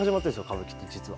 歌舞伎って実は。